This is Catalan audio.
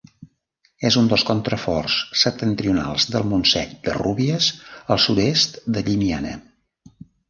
És un dels contraforts septentrionals del Montsec de Rúbies, al sud-est de Llimiana.